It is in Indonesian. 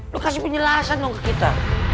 lo kasih penjelasan dong ke kita